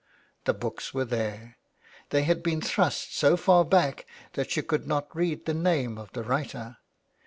The books were there : they had been thrust so far back that she could not read the name of the writer.